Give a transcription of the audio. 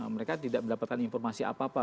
mereka tidak mendapatkan informasi apa apa